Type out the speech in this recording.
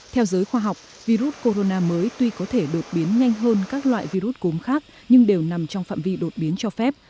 theo giới khoa học virus corona mới tuy có thể đột biến nhanh hơn các loại virus cúm khác nhưng đều nằm trong phạm vi đột biến cho phép